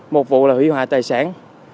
một vụ là hủy hoại tài sản